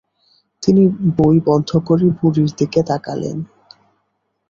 তিনি বই বন্ধ করে বুড়ির দিকে তাকালেন।